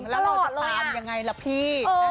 แล้วเราจะตามยังไงล่ะพี่